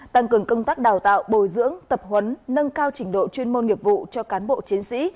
tăng cường công tác đào tạo bồi dưỡng tập huấn nâng cao trình độ chuyên môn nghiệp vụ cho cán bộ chiến sĩ